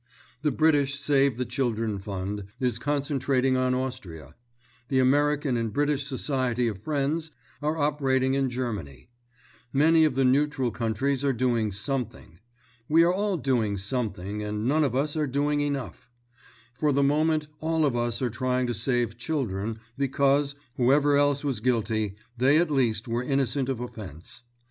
The British Save the Children Fund, is concentrating on Austria. The American and British Society of Friends are operating in Germany. Many of the neutral countries are doing something. We are all doing something and none of us are doing enough. For the moment all of us are trying to save children because, whoever else was guilty, they at least were innocent of offence.